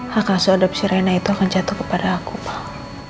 hak aso adepsi reina itu akan jatuh kepada aku pak